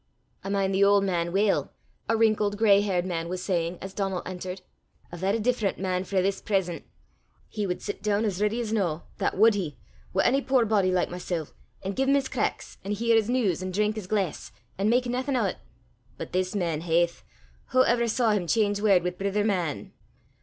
"I min' the auld man weel," a wrinkled gray haired man was saying as Donal entered, " a varra different man frae this present. He wud sit doon as ready as no that wud he wi' ony puir body like mysel', an' gie him his cracks, an' hear his news, an' drink his glaiss, an' mak naething o' 't. But this man, haith! wha ever saw him cheenge word wi' brither man?"